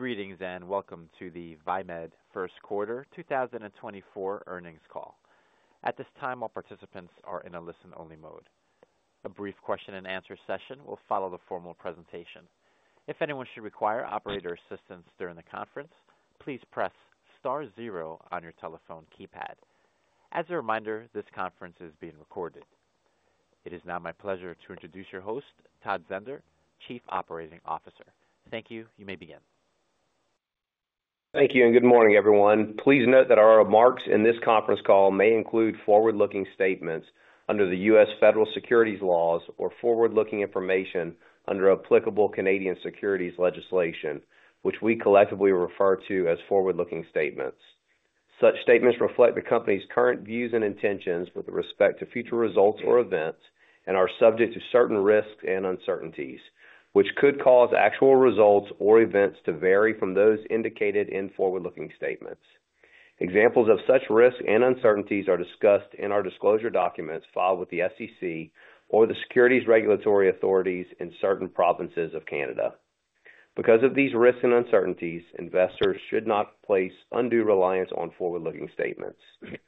Greetings, and welcome to the Viemed First Quarter 2024 earnings call. At this time, all participants are in a listen-only mode. A brief question and answer session will follow the formal presentation. If anyone should require operator assistance during the conference, please press star zero on your telephone keypad. As a reminder, this conference is being recorded. It is now my pleasure to introduce your host, Todd Zehnder, Chief Operating Officer. Thank you. You may begin. Thank you, and good morning, everyone. Please note that our remarks in this conference call may include forward-looking statements under the U.S. federal securities laws or forward-looking information under applicable Canadian securities legislation, which we collectively refer to as forward-looking statements. Such statements reflect the company's current views and intentions with respect to future results or events and are subject to certain risks and uncertainties, which could cause actual results or events to vary from those indicated in forward-looking statements. Examples of such risks and uncertainties are discussed in our disclosure documents filed with the SEC or the securities regulatory authorities in certain provinces of Canada. Because of these risks and uncertainties, investors should not place undue reliance on forward-looking statements.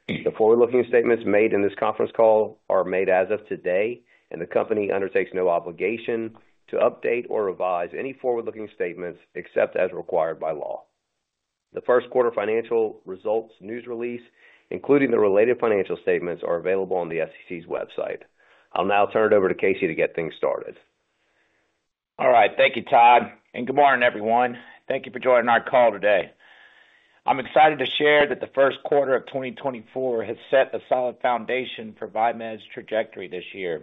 The forward-looking statements made in this conference call are made as of today, and the company undertakes no obligation to update or revise any forward-looking statements except as required by law. The first quarter financial results news release, including the related financial statements, are available on the SEC's website. I'll now turn it over to Casey to get things started. All right. Thank you, Todd, and good morning, everyone. Thank you for joining our call today. I'm excited to share that the first quarter of 2024 has set a solid foundation for Viemed's trajectory this year.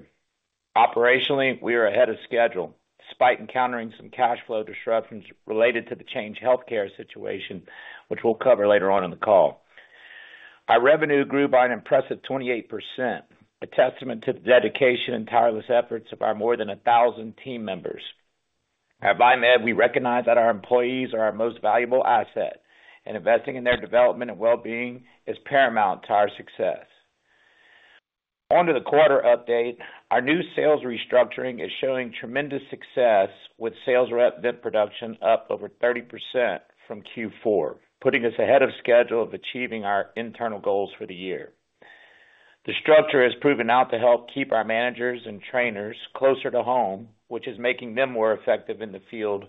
Operationally, we are ahead of schedule, despite encountering some cash flow disruptions related to the Change Healthcare situation, which we'll cover later on in the call. Our revenue grew by an impressive 28%, a testament to the dedication and tireless efforts of our more than 1,000 team members. At Viemed, we recognize that our employees are our most valuable asset, and investing in their development and well-being is paramount to our success. On to the quarter update. Our new sales restructuring is showing tremendous success, with sales rep vent production up over 30% from Q4, putting us ahead of schedule of achieving our internal goals for the year. The structure has proven out to help keep our managers and trainers closer to home, which is making them more effective in the field,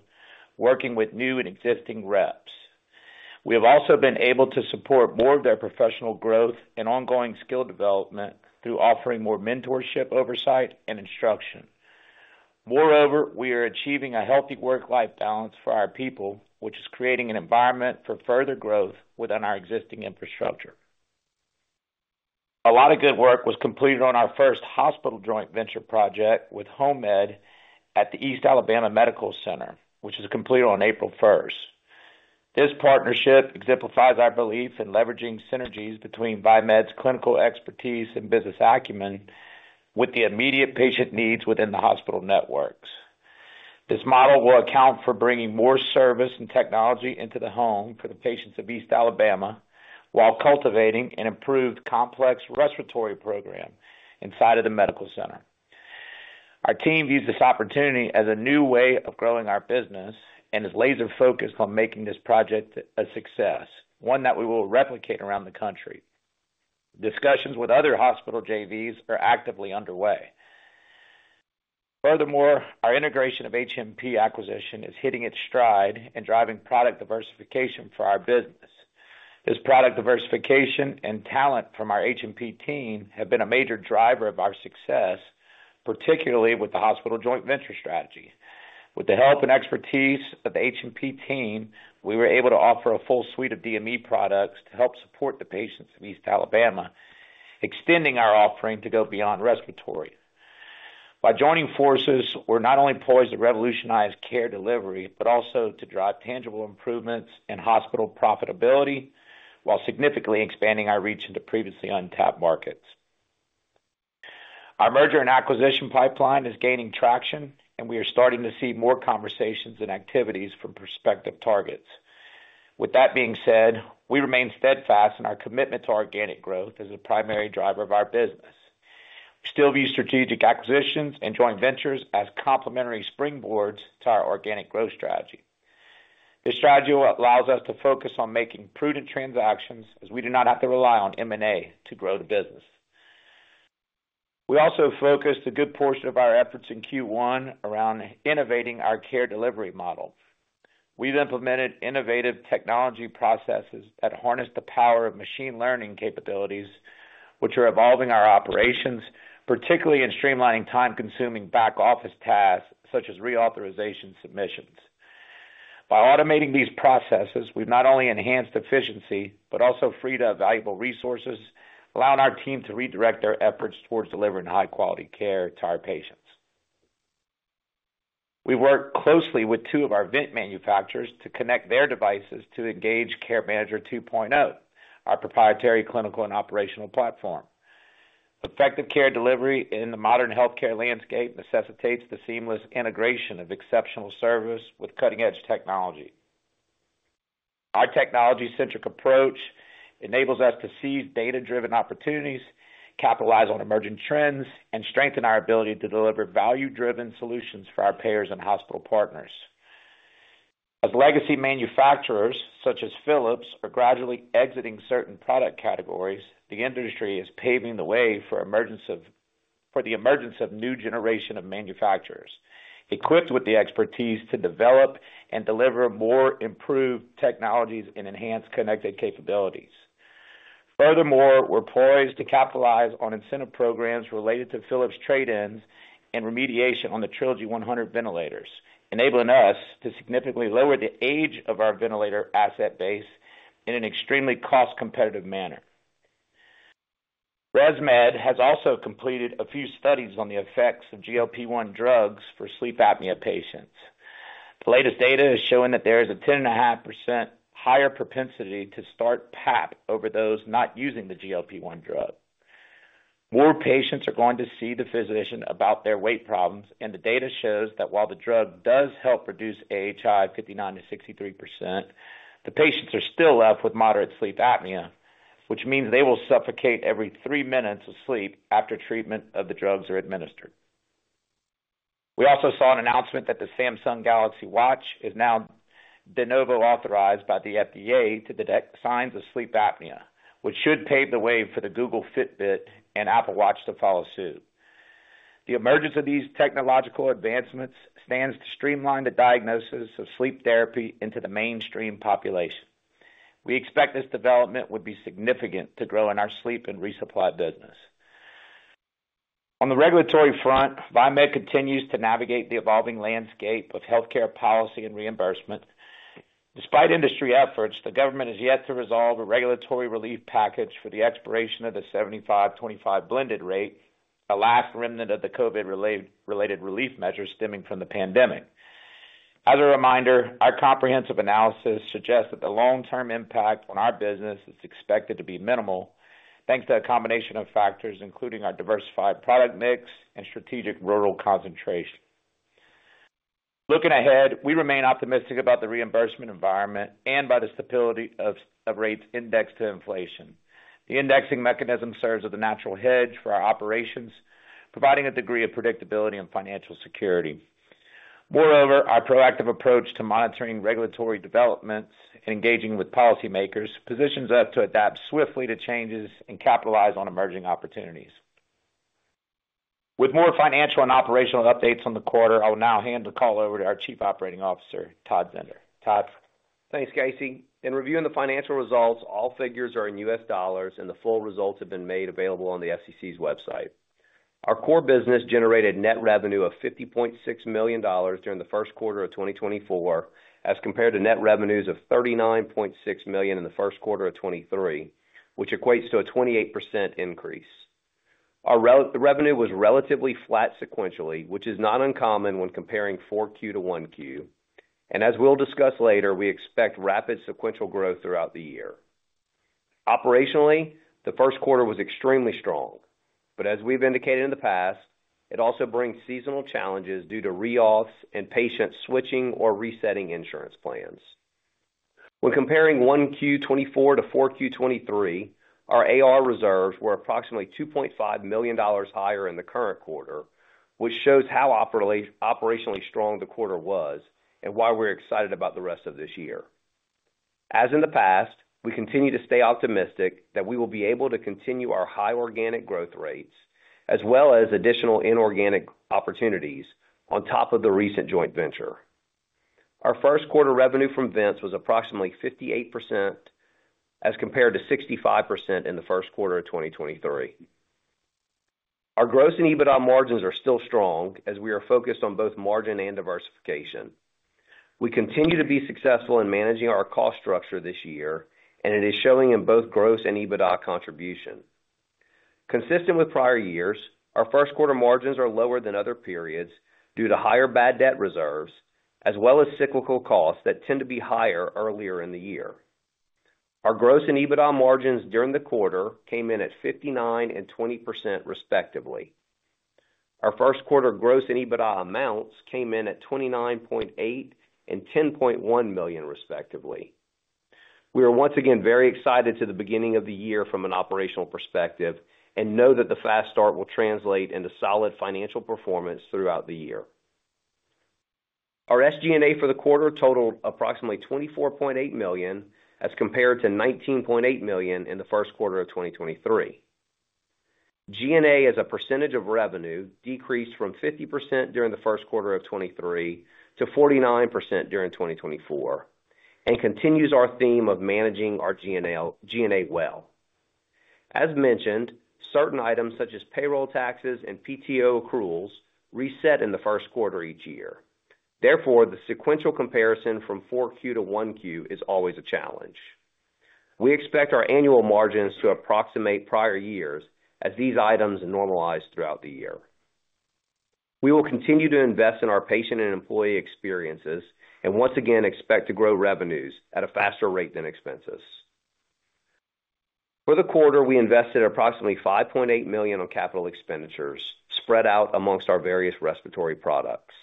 working with new and existing reps. We have also been able to support more of their professional growth and ongoing skill development through offering more mentorship, oversight, and instruction. Moreover, we are achieving a healthy work-life balance for our people, which is creating an environment for further growth within our existing infrastructure. A lot of good work was completed on our first hospital joint venture project with HomeMed at the East Alabama Medical Center, which was completed on April first. This partnership exemplifies our belief in leveraging synergies between Viemed's clinical expertise and business acumen with the immediate patient needs within the hospital networks. This model will account for bringing more service and technology into the home for the patients of East Alabama, while cultivating an improved complex respiratory program inside of the medical center. Our team views this opportunity as a new way of growing our business and is laser-focused on making this project a success, one that we will replicate around the country. Discussions with other hospital JVs are actively underway. Furthermore, our integration of HMP acquisition is hitting its stride and driving product diversification for our business. This product diversification and talent from our HMP team have been a major driver of our success, particularly with the hospital joint venture strategy. With the help and expertise of the HMP team, we were able to offer a full suite of DME products to help support the patients of East Alabama, extending our offering to go beyond respiratory. By joining forces, we're not only poised to revolutionize care delivery, but also to drive tangible improvements in hospital profitability, while significantly expanding our reach into previously untapped markets. Our merger and acquisition pipeline is gaining traction, and we are starting to see more conversations and activities from prospective targets. With that being said, we remain steadfast in our commitment to organic growth as a primary driver of our business. We still view strategic acquisitions and joint ventures as complementary springboards to our organic growth strategy. This strategy allows us to focus on making prudent transactions, as we do not have to rely on M&A to grow the business. We also focused a good portion of our efforts in Q1 around innovating our care delivery model. We've implemented innovative technology processes that harness the power of machine learning capabilities, which are evolving our operations, particularly in streamlining time-consuming back-office tasks, such as reauthorization submissions. By automating these processes, we've not only enhanced efficiency, but also freed up valuable resources, allowing our team to redirect their efforts towards delivering high-quality care to our patients. We worked closely with two of our vent manufacturers to connect their devices to Engage Care Manager 2.0, our proprietary clinical and operational platform. Effective care delivery in the modern healthcare landscape necessitates the seamless integration of exceptional service with cutting-edge technology. Our technology-centric approach enables us to seize data-driven opportunities, capitalize on emerging trends, and strengthen our ability to deliver value-driven solutions for our payers and hospital partners. As legacy manufacturers, such as Philips, are gradually exiting certain product categories, the industry is paving the way for emergence of a new generation of manufacturers, equipped with the expertise to develop and deliver more improved technologies and enhanced connected capabilities. Furthermore, we're poised to capitalize on incentive programs related to Philips trade-ins and remediation on the Trilogy 100 ventilators, enabling us to significantly lower the age of our ventilator asset base in an extremely cost-competitive manner. ResMed has also completed a few studies on the effects of GLP-1 drugs for sleep apnea patients. The latest data is showing that there is a 10.5% higher propensity to start PAP over those not using the GLP-1 drug. More patients are going to see the physician about their weight problems, and the data shows that while the drug does help reduce AHI, 59%-63%, the patients are still left with moderate sleep apnea, which means they will suffocate every three minutes of sleep after treatment of the drugs are administered. We also saw an announcement that the Samsung Galaxy Watch is now de novo authorized by the FDA to detect signs of sleep apnea, which should pave the way for the Google Fitbit and Apple Watch to follow suit. The emergence of these technological advancements stands to streamline the diagnosis of sleep therapy into the mainstream population. We expect this development would be significant to growing our sleep and resupply business. On the regulatory front, Viemed continues to navigate the evolving landscape of healthcare policy and reimbursement. Despite industry efforts, the government has yet to resolve a regulatory relief package for the expiration of the 75/25 blended rate, the last remnant of the COVID-related relief measures stemming from the pandemic. As a reminder, our comprehensive analysis suggests that the long-term impact on our business is expected to be minimal, thanks to a combination of factors, including our diversified product mix and strategic rural concentration. Looking ahead, we remain optimistic about the reimbursement environment and by the stability of rates indexed to inflation. The indexing mechanism serves as a natural hedge for our operations, providing a degree of predictability and financial security. Moreover, our proactive approach to monitoring regulatory developments and engaging with policymakers positions us to adapt swiftly to changes and capitalize on emerging opportunities. With more financial and operational updates on the quarter, I will now hand the call over to our Chief Operating Officer, Todd Zehnder. Todd? Thanks, Casey. In reviewing the financial results, all figures are in US dollars, and the full results have been made available on the SEC's website. Our core business generated net revenue of $50.6 million during the first quarter of 2024, as compared to net revenues of $39.6 million in the first quarter of 2023, which equates to a 28% increase. The revenue was relatively flat sequentially, which is not uncommon when comparing Q4 to Q1. As we'll discuss later, we expect rapid sequential growth throughout the year. Operationally, the first quarter was extremely strong, but as we've indicated in the past, it also brings seasonal challenges due to reauths and patient switching or resetting insurance plans. When comparing Q1 2024 to Q4 2023, our AR reserves were approximately $2.5 million higher in the current quarter, which shows how operationally strong the quarter was and why we're excited about the rest of this year. As in the past, we continue to stay optimistic that we will be able to continue our high organic growth rates, as well as additional inorganic opportunities on top of the recent joint venture. Our first quarter revenue from vents was approximately 58%, as compared to 65% in the first quarter of 2023. Our gross and EBITDA margins are still strong, as we are focused on both margin and diversification. We continue to be successful in managing our cost structure this year, and it is showing in both gross and EBITDA contribution. Consistent with prior years, our first quarter margins are lower than other periods due to higher bad debt reserves, as well as cyclical costs that tend to be higher earlier in the year. Our gross and EBITDA margins during the quarter came in at 59% and 20%, respectively. Our first quarter gross and EBITDA amounts came in at $29.8 million and $10.1 million, respectively. We are once again very excited to the beginning of the year from an operational perspective and know that the fast start will translate into solid financial performance throughout the year. Our SG&A for the quarter totaled approximately $24.8 million, as compared to $19.8 million in the first quarter of 2023. G&A, as a percentage of revenue, decreased from 50% during the first quarter of 2023 to 49% during 2024, and continues our theme of managing our G&A well. As mentioned, certain items, such as payroll taxes and PTO accruals, reset in the first quarter each year. Therefore, the sequential comparison from 4Q to 1Q is always a challenge. We expect our annual margins to approximate prior years as these items normalize throughout the year. We will continue to invest in our patient and employee experiences, and once again, expect to grow revenues at a faster rate than expenses.... For the quarter, we invested approximately $5.8 million on capital expenditures, spread out amongst our various respiratory products.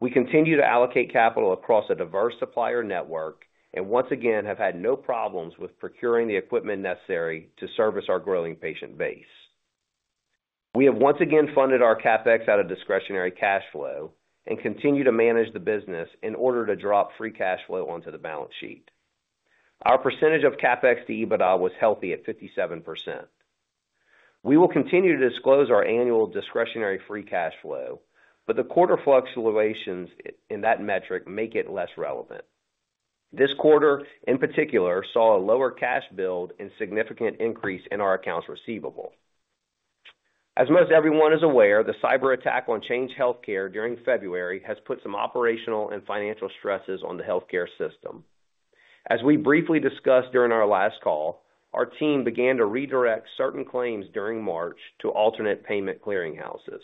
We continue to allocate capital across a diverse supplier network, and once again, have had no problems with procuring the equipment necessary to service our growing patient base. We have once again funded our CapEx out of discretionary cash flow and continue to manage the business in order to drop free cash flow onto the balance sheet. Our percentage of CapEx to EBITDA was healthy at 57%. We will continue to disclose our annual discretionary free cash flow, but the quarter fluctuations in that metric make it less relevant. This quarter, in particular, saw a lower cash build and significant increase in our accounts receivable. As most everyone is aware, the cyberattack on Change Healthcare during February has put some operational and financial stresses on the healthcare system. As we briefly discussed during our last call, our team began to redirect certain claims during March to alternate payment clearinghouses.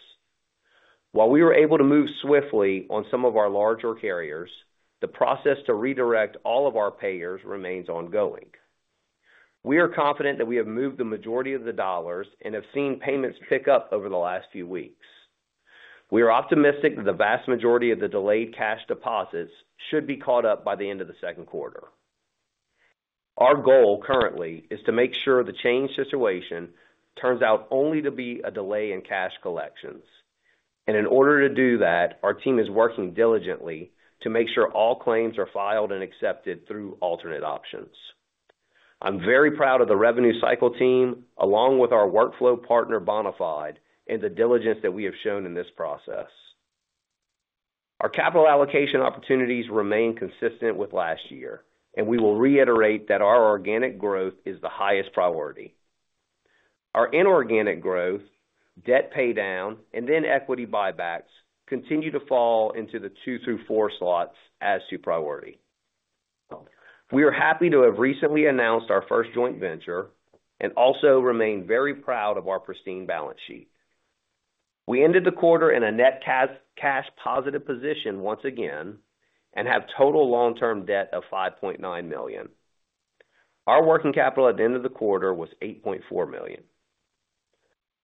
While we were able to move swiftly on some of our larger carriers, the process to redirect all of our payers remains ongoing. We are confident that we have moved the majority of the dollars and have seen payments pick up over the last few weeks. We are optimistic that the vast majority of the delayed cash deposits should be caught up by the end of the second quarter. Our goal, currently, is to make sure the Change situation turns out only to be a delay in cash collections. In order to do that, our team is working diligently to make sure all claims are filed and accepted through alternate options. I'm very proud of the revenue cycle team, along with our workflow partner, Bonafide, and the diligence that we have shown in this process. Our capital allocation opportunities remain consistent with last year, and we will reiterate that our organic growth is the highest priority. Our inorganic growth, debt paydown, and then equity buybacks continue to fall into the 2 through 4 slots as to priority. We are happy to have recently announced our first joint venture and also remain very proud of our pristine balance sheet. We ended the quarter in a net cash positive position once again, and have total long-term debt of $5.9 million. Our working capital at the end of the quarter was $8.4 million.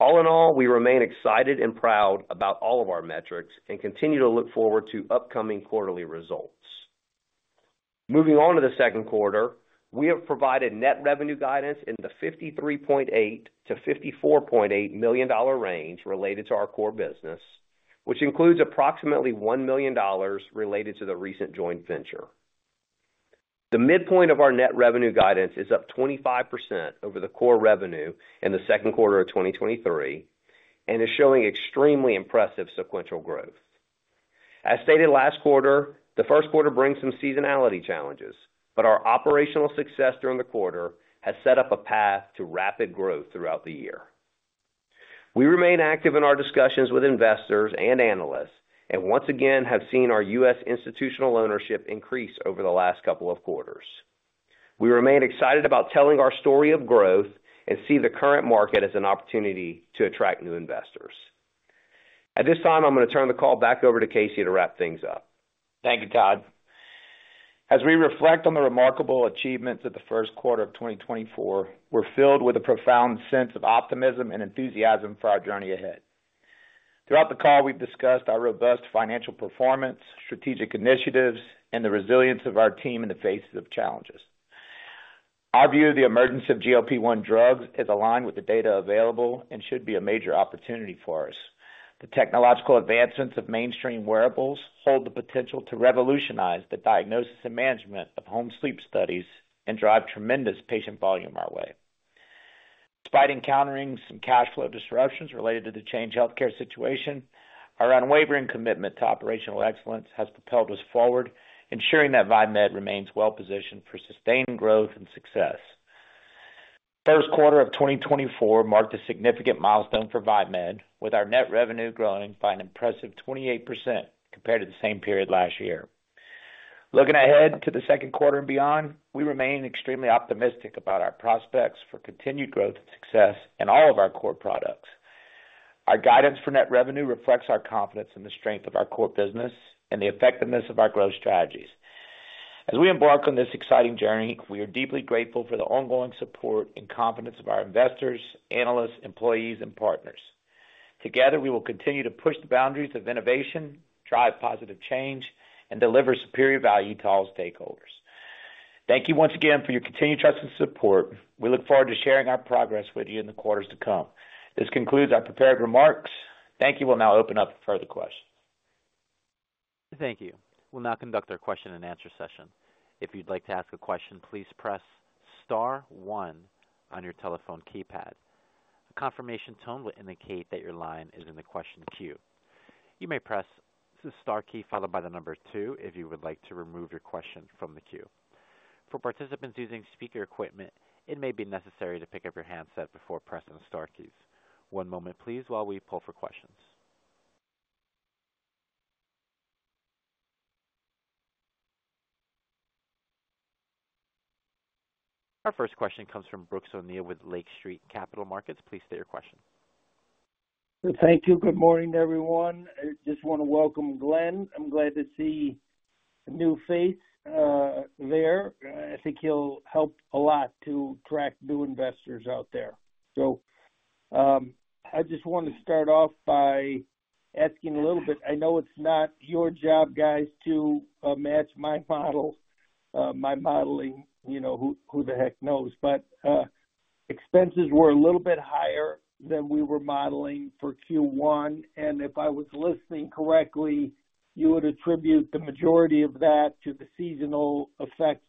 All in all, we remain excited and proud about all of our metrics and continue to look forward to upcoming quarterly results. Moving on to the second quarter, we have provided net revenue guidance in the $53.8 million-$54.8 million range related to our core business, which includes approximately $1 million related to the recent joint venture. The midpoint of our net revenue guidance is up 25% over the core revenue in the second quarter of 2023, and is showing extremely impressive sequential growth. As stated last quarter, the first quarter brings some seasonality challenges, but our operational success during the quarter has set up a path to rapid growth throughout the year. We remain active in our discussions with investors and analysts, and once again, have seen our U.S. institutional ownership increase over the last couple of quarters. We remain excited about telling our story of growth and see the current market as an opportunity to attract new investors. At this time, I'm going to turn the call back over to Casey to wrap things up. Thank you, Todd. As we reflect on the remarkable achievements of the first quarter of 2024, we're filled with a profound sense of optimism and enthusiasm for our journey ahead. Throughout the call, we've discussed our robust financial performance, strategic initiatives, and the resilience of our team in the face of challenges. Our view of the emergence of GLP-1 drugs is aligned with the data available and should be a major opportunity for us. The technological advancements of mainstream wearables hold the potential to revolutionize the diagnosis and management of home sleep studies and drive tremendous patient volume our way. Despite encountering some cash flow disruptions related to the Change Healthcare situation, our unwavering commitment to operational excellence has propelled us forward, ensuring that Viemed remains well positioned for sustained growth and success. First quarter of 2024 marked a significant milestone for Viemed, with our net revenue growing by an impressive 28% compared to the same period last year. Looking ahead to the second quarter and beyond, we remain extremely optimistic about our prospects for continued growth and success in all of our core products. Our guidance for net revenue reflects our confidence in the strength of our core business and the effectiveness of our growth strategies. As we embark on this exciting journey, we are deeply grateful for the ongoing support and confidence of our investors, analysts, employees, and partners. Together, we will continue to push the boundaries of innovation, drive positive change, and deliver superior value to all stakeholders. Thank you once again for your continued trust and support. We look forward to sharing our progress with you in the quarters to come. This concludes our prepared remarks. Thank you. We'll now open up for further questions. Thank you. We'll now conduct our question and answer session. If you'd like to ask a question, please press star one on your telephone keypad. A confirmation tone will indicate that your line is in the question queue. You may press the star key followed by the number two if you would like to remove your question from the queue. For participants using speaker equipment, it may be necessary to pick up your handset before pressing the star keys. One moment, please, while we pull for questions. Our first question comes from Brooks O'Neil with Lake Street Capital Markets. Please state your question. ... Thank you. Good morning, everyone. I just want to welcome Glen. I'm glad to see a new face there. I think he'll help a lot to attract new investors out there. So, I just want to start off by asking a little bit. I know it's not your job, guys, to match my model, my modeling, you know, who the heck knows? But, expenses were a little bit higher than we were modeling for Q1, and if I was listening correctly, you would attribute the majority of that to the seasonal effects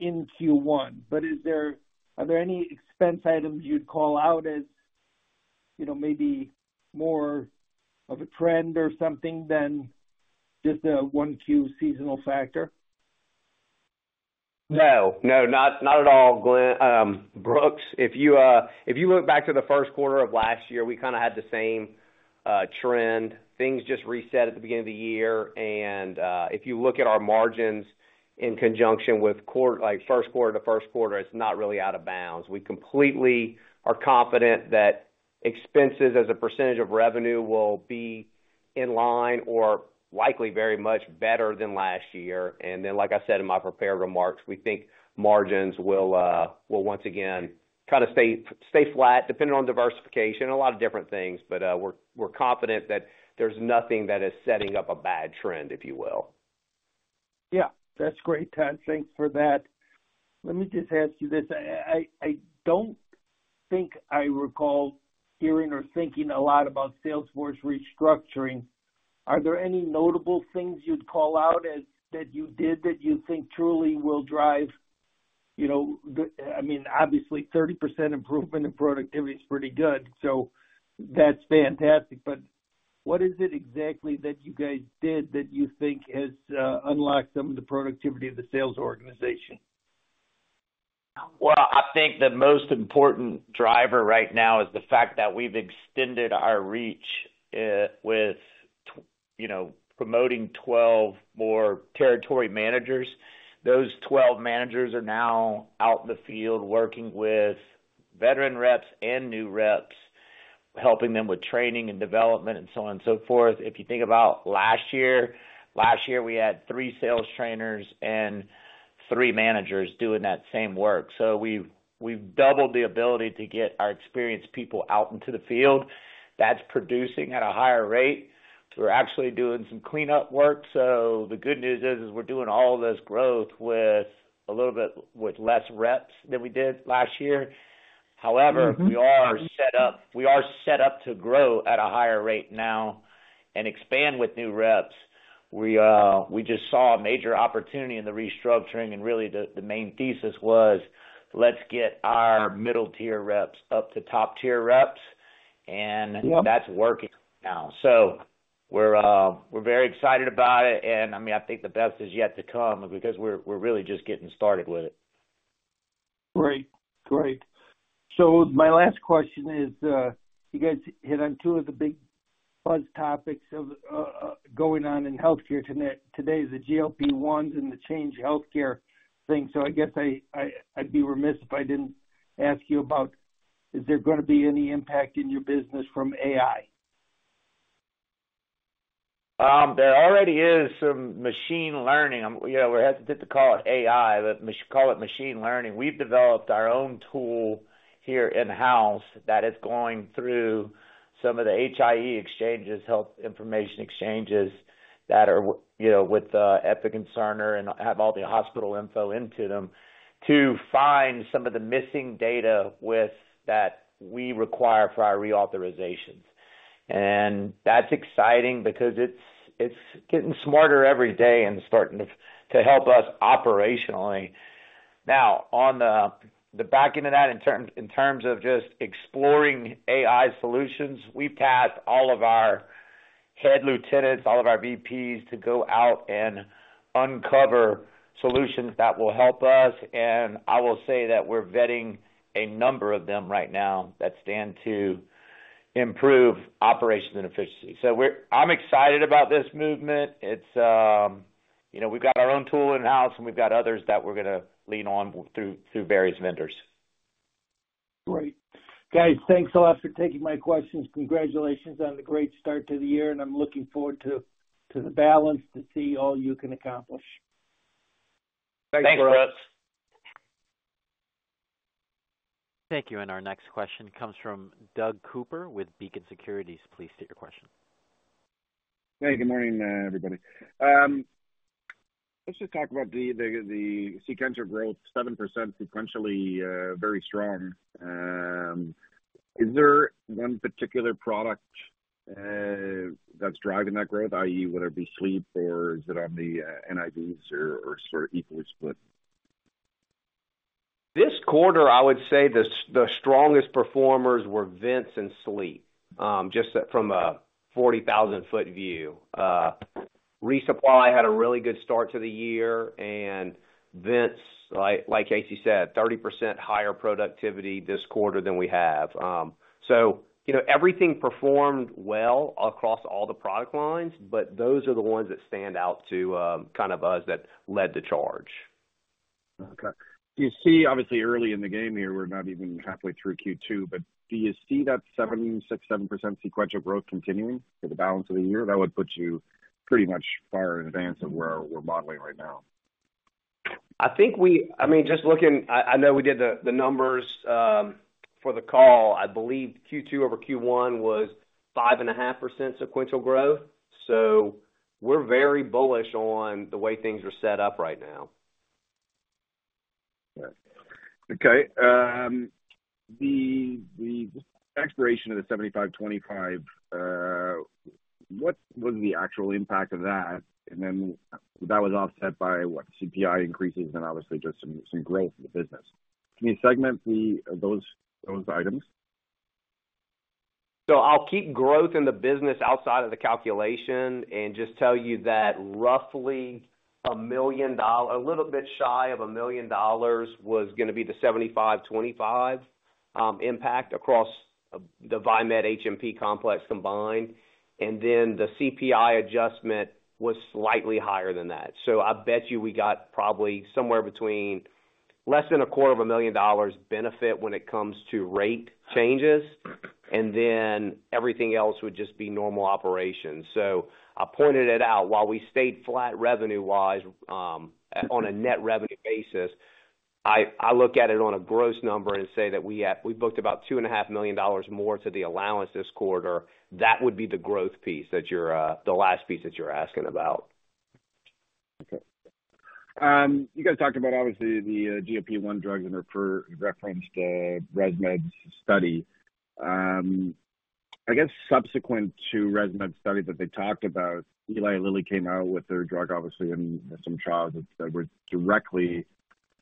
in Q1. But is there, are there any expense items you'd call out as, you know, maybe more of a trend or something than just a one Q seasonal factor? No, no, not, not at all, Glen, Brooks. If you, if you look back to the first quarter of last year, we kinda had the same, trend. Things just reset at the beginning of the year, and, if you look at our margins in conjunction with quarter... like, first quarter to first quarter, it's not really out of bounds. We completely are confident that expenses as a percentage of revenue will be in line or likely very much better than last year. And then, like I said in my prepared remarks, we think margins will, will once again kind of stay, stay flat, depending on diversification, a lot of different things, but, we're, we're confident that there's nothing that is setting up a bad trend, if you will. Yeah, that's great, Todd. Thanks for that. Let me just ask you this. I don't think I recall hearing or thinking a lot about sales force restructuring. Are there any notable things you'd call out as, that you did that you think truly will drive, you know, the... I mean, obviously, 30% improvement in productivity is pretty good, so that's fantastic. But what is it exactly that you guys did that you think has unlocked some of the productivity of the sales organization? Well, I think the most important driver right now is the fact that we've extended our reach, with you know, promoting 12 more territory managers. Those 12 managers are now out in the field working with veteran reps and new reps, helping them with training and development and so on and so forth. If you think about last year, last year, we had three sales trainers and three managers doing that same work. So we've, we've doubled the ability to get our experienced people out into the field. That's producing at a higher rate. So we're actually doing some cleanup work. So the good news is, is we're doing all this growth with a little bit, with less reps than we did last year. However, we are set up, we are set up to grow at a higher rate now and expand with new reps. We, we just saw a major opportunity in the restructuring, and really, the main thesis was, let's get our middle-tier reps up to top-tier reps, and- Yep That's working now. So we're very excited about it, and, I mean, I think the best is yet to come because we're really just getting started with it. Great. Great. So my last question is, you guys hit on two of the big buzz topics of going on in healthcare today, is the GLP-1s and the Change Healthcare thing. So I guess I, I'd be remiss if I didn't ask you about, is there gonna be any impact in your business from AI? There already is some machine learning. You know, we're hesitant to call it AI, but call it machine learning. We've developed our own tool here in-house that is going through some of the HIE exchanges, Health Information Exchanges, that are, you know, with Epic and Cerner and have all the hospital info into them to find some of the missing data with... that we require for our reauthorizations. And that's exciting because it's, it's getting smarter every day and starting to, to help us operationally. Now, on the back end of that, in terms of just exploring AI solutions, we've tasked all of our head lieutenants, all of our VPs, to go out and uncover solutions that will help us, and I will say that we're vetting a number of them right now that stand to improve operations and efficiency. I'm excited about this movement. It's, you know, we've got our own tool in-house, and we've got others that we're gonna lean on through various vendors. Great. Guys, thanks a lot for taking my questions. Congratulations on the great start to the year, and I'm looking forward to the balance to see all you can accomplish. Thanks, Brooks. Thank you, and our next question comes from Doug Cooper with Beacon Securities. Please state your question. Hey, good morning, everybody. Let's just talk about the sequential growth, 7% sequentially, very strong. Is there one particular product that's driving that growth? i.e., whether it be sleep or is it on the NIVs or sort of equally split? This quarter, I would say the strongest performers were vents and sleep, just from a 40,000-foot view. Resupply had a really good start to the year and vents, like Casey said, 30% higher productivity this quarter than we have. So, you know, everything performed well across all the product lines, but those are the ones that stand out to kind of us, that led the charge.... Okay. Do you see, obviously, early in the game here, we're not even halfway through Q2, but do you see that 76.7% sequential growth continuing for the balance of the year? That would put you pretty much far in advance of where we're modeling right now. I think, I mean, just looking, I know we did the numbers for the call. I believe Q2 over Q1 was 5.5% sequential growth, so we're very bullish on the way things are set up right now. Okay. The expiration of the 75/25, what was the actual impact of that? And then that was offset by what? CPI increases and obviously just some growth in the business. Can you segment those items? So I'll keep growth in the business outside of the calculation and just tell you that roughly $1 million-- a little bit shy of $1 million was gonna be the 75/25 impact across the Viemed HMP complex combined, and then the CPI adjustment was slightly higher than that. So I bet you we got probably somewhere between less than $250,000 benefit when it comes to rate changes, and then everything else would just be normal operations. So I pointed it out, while we stayed flat revenue-wise, on a net revenue basis, I, I look at it on a gross number and say that we have-- we've booked about $2.5 million more to the allowance this quarter. That would be the growth piece, that you're, the last piece that you're asking about. Okay. You guys talked about, obviously, the GLP-1 drugs and referenced the ResMed study. I guess subsequent to ResMed study that they talked about, Eli Lilly came out with their drug, obviously, in some trials that were directly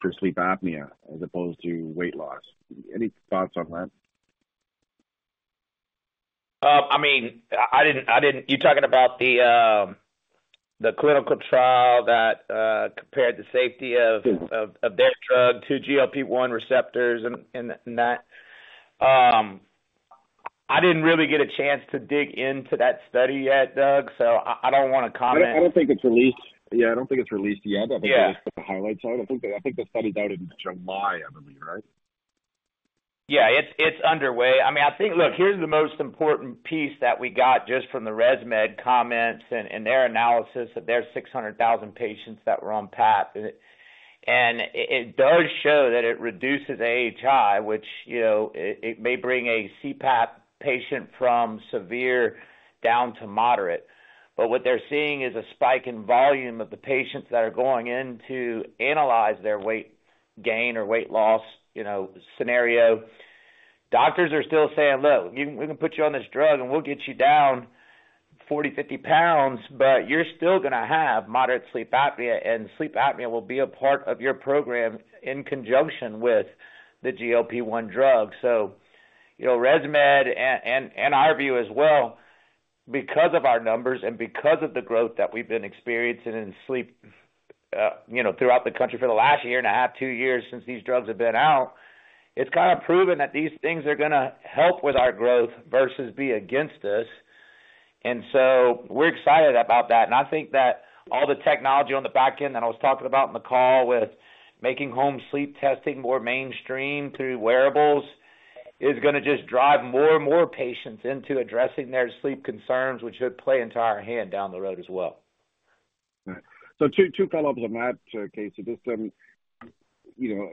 for sleep apnea as opposed to weight loss. Any thoughts on that? I mean, I didn't-- You're talking about the clinical trial that compared the safety of, Yes of their drug to GLP-1 receptors and that? I didn't really get a chance to dig into that study yet, Doug, so I don't wanna comment. I don't think it's released. Yeah, I don't think it's released yet. Yeah. I think they just put the highlights on it. I think, I think the study out in July, I believe, right? Yeah, it's underway. I mean, I think... Look, here's the most important piece that we got just from the ResMed comments and their analysis, that there's 600,000 patients that were on PAP. And it does show that it reduces AHI, which, you know, it may bring a CPAP patient from severe down to moderate. But what they're seeing is a spike in volume of the patients that are going in to analyze their weight gain or weight loss, you know, scenario. Doctors are still saying, "Look, we can, we can put you on this drug, and we'll get you down 40, 50 pounds, but you're still gonna have moderate sleep apnea, and sleep apnea will be a part of your program in conjunction with the GLP-1 drug." So, you know, ResMed and, and our view as well, because of our numbers and because of the growth that we've been experiencing in sleep, you know, throughout the country for the last year and a half, two years, since these drugs have been out, it's kind of proven that these things are gonna help with our growth versus be against us. And so we're excited about that. I think that all the technology on the back end that I was talking about in the call, with making home sleep testing more mainstream through wearables, is gonna just drive more and more patients into addressing their sleep concerns, which should play into our hand down the road as well. All right. So 2 follow-ups on that, Casey. Just, you know,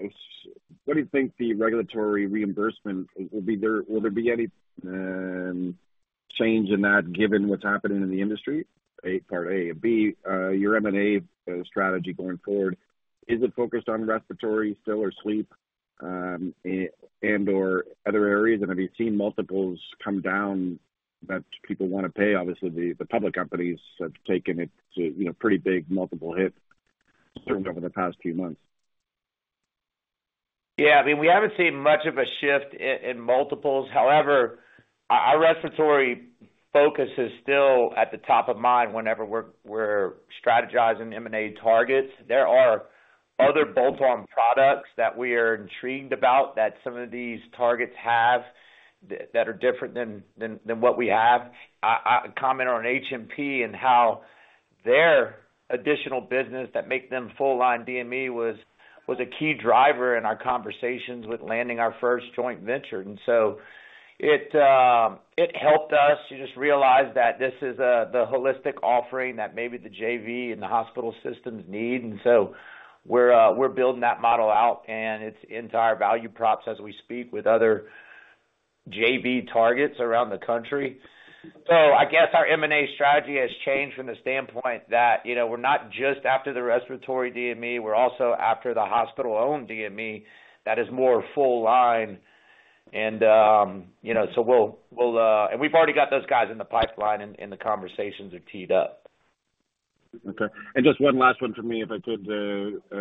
what do you think the regulatory reimbursement will be there-will there be any change in that, given what's happening in the industry? Part A. And B, your M&A strategy going forward, is it focused on respiratory still or sleep and/or other areas? And have you seen multiples come down that people wanna pay? Obviously, the public companies have taken it to, you know, pretty big multiple hits certainly over the past few months. Yeah, I mean, we haven't seen much of a shift in multiples. However, our respiratory focus is still at the top of mind whenever we're strategizing M&A targets. There are other bolt-on products that we are intrigued about that some of these targets have, that are different than what we have. I comment on HMP and how their additional business that make them full line DME was a key driver in our conversations with landing our first joint venture. And so it helped us to just realize that this is the holistic offering that maybe the JV and the hospital systems need. And so we're building that model out, and it's into our value props as we speak with other JV targets around the country. So I guess our M&A strategy has changed from the standpoint that, you know, we're not just after the respiratory DME, we're also after the hospital-owned DME that is more full line. And, you know, so we'll... And we've already got those guys in the pipeline, and the conversations are teed up. Okay. And just one last one for me, if I could,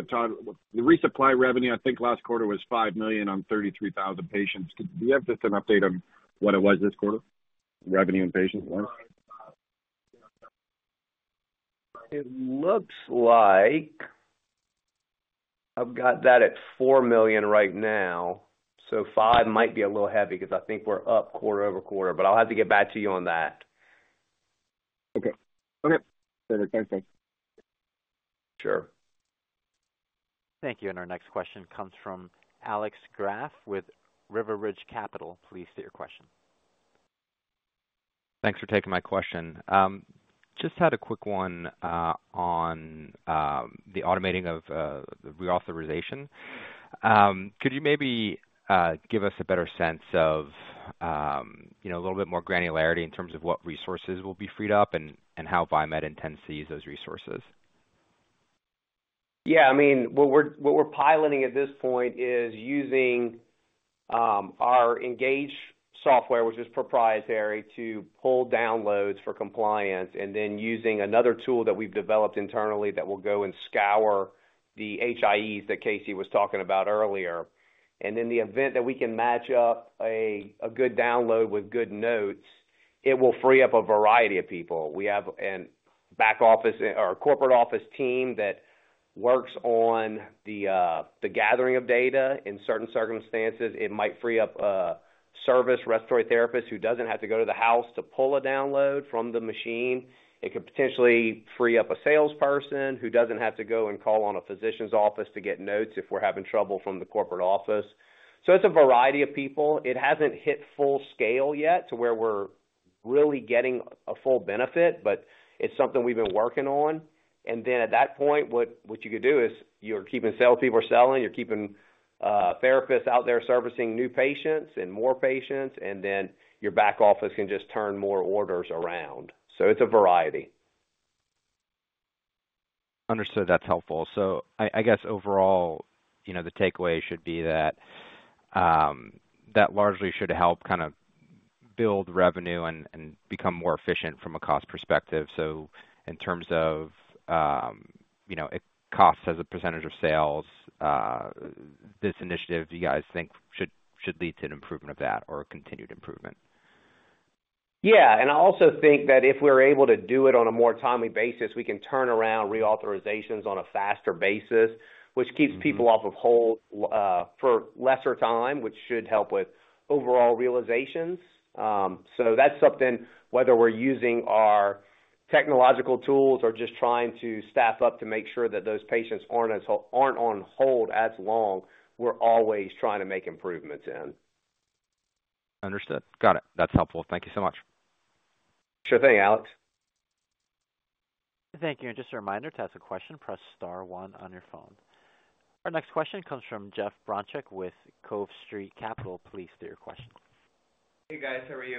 Todd. The resupply revenue, I think last quarter, was $5 million on 33,000 patients. Do you have just an update on what it was this quarter, revenue and patients once? It looks like I've got that at $4 million right now, so $5 million might be a little heavy because I think we're up quarter-over-quarter, but I'll have to get back to you on that. Okay. Okay, so that's everything. Sure. Thank you. Our next question comes from Alex Graf with Northland Capital Markets. Please state your question. Thanks for taking my question. Just had a quick one on the automating of the reauthorization. Could you maybe give us a better sense of, you know, a little bit more granularity in terms of what resources will be freed up and how Viemed intends to use those resources? Yeah, I mean, what we're piloting at this point is using our Engage software, which is proprietary, to pull downloads for compliance, and then using another tool that we've developed internally that will go and scour the HIEs that Casey was talking about earlier. In the event that we can match up a good download with good notes, it will free up a variety of people. We have a back office or a corporate office team that works on the gathering of data. In certain circumstances, it might free up a service respiratory therapist who doesn't have to go to the house to pull a download from the machine. It could potentially free up a salesperson who doesn't have to go and call on a physician's office to get notes if we're having trouble from the corporate office. So it's a variety of people. It hasn't hit full scale yet to where we're really getting a full benefit, but it's something we've been working on. And then at that point, what you could do is you're keeping sales people selling, you're keeping therapists out there servicing new patients and more patients, and then your back office can just turn more orders around. So it's a variety. Understood. That's helpful. So I guess overall, you know, the takeaway should be that that largely should help kind of build revenue and become more efficient from a cost perspective. So in terms of you know, it costs as a percentage of sales, this initiative, do you guys think should lead to an improvement of that or a continued improvement? Yeah, and I also think that if we're able to do it on a more timely basis, we can turn around reauthorizations on a faster basis, which keeps people off of hold for lesser time, which should help with overall realizations. So that's something, whether we're using our technological tools or just trying to staff up to make sure that those patients aren't on hold as long, we're always trying to make improvements in. Understood. Got it. That's helpful. Thank you so much. Sure thing, Alex. Thank you. Just a reminder, to ask a question, press star one on your phone. Our next question comes from Jeff Bronchick with Cove Street Capital. Please state your question. Hey, guys, how are you?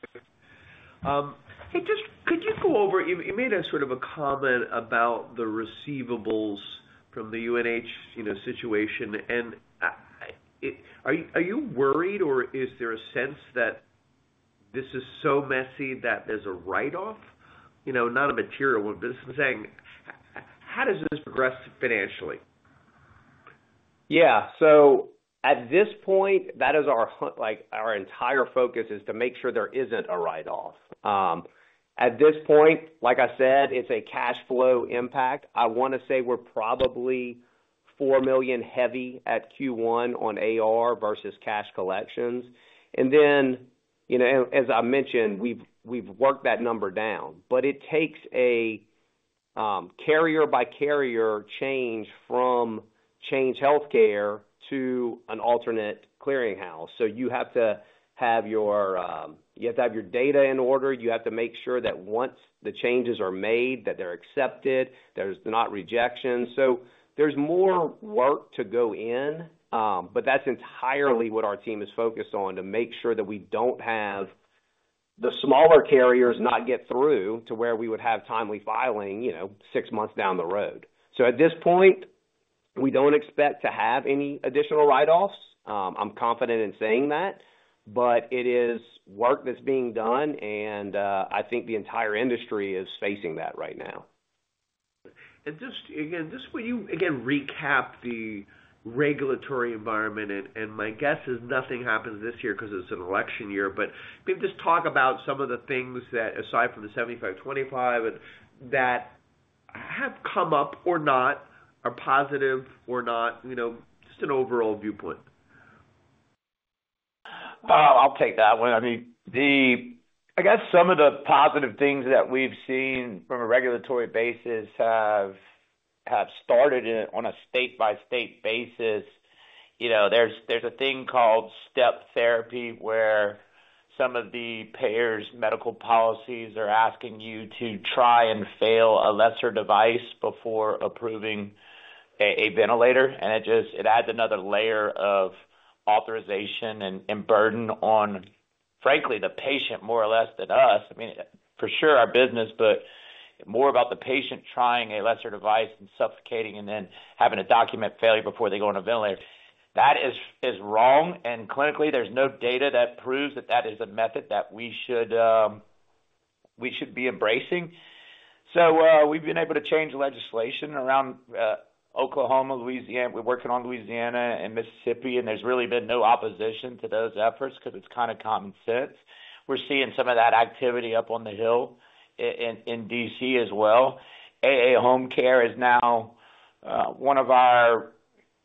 Hey, just could you go over... You made a sort of a comment about the receivables from the UNH, you know, situation, and are you worried or is there a sense that this is so messy that there's a write-off? You know, not a material one, but just saying, how does this progress financially? Yeah. So at this point, that is our, like, our entire focus is to make sure there isn't a write-off. At this point, like I said, it's a cash flow impact. I want to say we're probably $4 million heavy at Q1 on AR versus cash collections. And then, you know, as I mentioned, we've worked that number down, but it takes a carrier by carrier change from Change Healthcare to an alternate clearing house. So you have to have your data in order. You have to make sure that once the changes are made, that they're accepted, there's not rejections. So there's more work to go in, but that's entirely what our team is focused on, to make sure that we don't have the smaller carriers not get through to where we would have timely filing, you know, six months down the road. So at this point, we don't expect to have any additional write-offs. I'm confident in saying that, but it is work that's being done, and I think the entire industry is facing that right now. Just will you recap the regulatory environment, and my guess is nothing happens this year because it's an election year. But can you just talk about some of the things that, aside from the 75/25, that have come up or not, are positive or not, you know, just an overall viewpoint. I'll take that one. I mean, I guess some of the positive things that we've seen from a regulatory basis have started on a state-by-state basis. You know, there's a thing called step therapy, where some of the payers' medical policies are asking you to try and fail a lesser device before approving a ventilator, and it just adds another layer of authorization and burden on, frankly, the patient, more or less than us. I mean, for sure, our business, but more about the patient trying a lesser device and suffocating and then having to document failure before they go on a ventilator. That is wrong, and clinically, there's no data that proves that that is a method that we should be embracing. So, we've been able to change legislation around Oklahoma, Louisiana. We're working on Louisiana and Mississippi, and there's really been no opposition to those efforts because it's kind of common sense. We're seeing some of that activity up on the Hill, in D.C. as well. AAHomecare is now one of our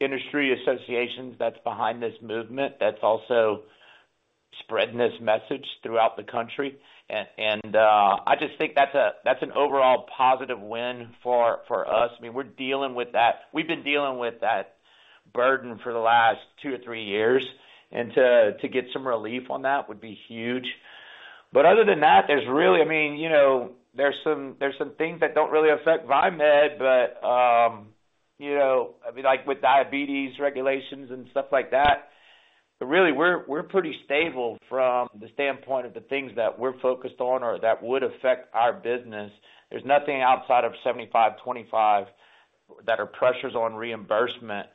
industry associations that's behind this movement. That's also-... spreading this message throughout the country. And I just think that's an overall positive win for us. I mean, we're dealing with that. We've been dealing with that burden for the last two or three years, and to get some relief on that would be huge. But other than that, there's really... I mean, you know, there's some things that don't really affect Viemed, but, you know, I mean, like, with diabetes regulations and stuff like that. But really, we're pretty stable from the standpoint of the things that we're focused on or that would affect our business. There's nothing outside of 75/25 that are pressures on reimbursement.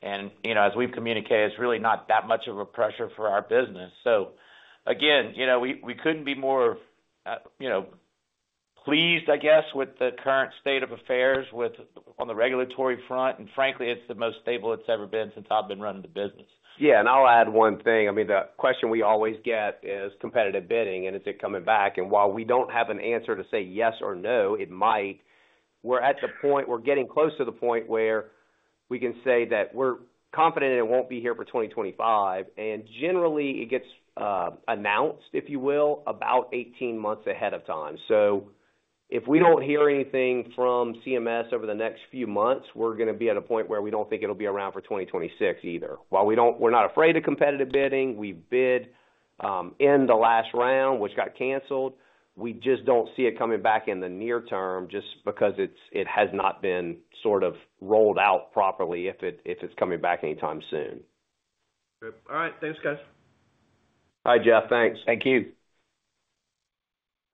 And, you know, as we've communicated, it's really not that much of a pressure for our business. Again, you know, we couldn't be more, you know, pleased, I guess, with the current state of affairs on the regulatory front. Frankly, it's the most stable it's ever been since I've been running the business. Yeah, and I'll add one thing. I mean, the question we always get is competitive bidding, and is it coming back? And while we don't have an answer to say yes or no, it might. We're at the point. We're getting close to the point where we can say that we're confident it won't be here for 2025, and generally, it gets announced, if you will, about 18 months ahead of time. So if we don't hear anything from CMS over the next few months, we're gonna be at a point where we don't think it'll be around for 2026 either. While we don't. We're not afraid of competitive bidding, we bid in the last round, which got canceled. We just don't see it coming back in the near term, just because it has not been sort of rolled out properly, if it's coming back anytime soon. Good. All right. Thanks, guys. Bye, Jeff. Thanks. Thank you.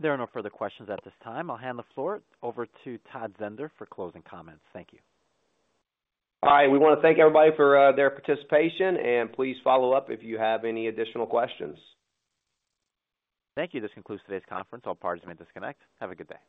There are no further questions at this time. I'll hand the floor over to Todd Zehnder for closing comments. Thank you. All right. We wanna thank everybody for their participation, and please follow up if you have any additional questions. Thank you. This concludes today's conference. All parties may disconnect. Have a good day.